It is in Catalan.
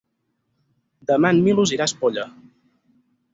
Demà en Milos irà a Espolla.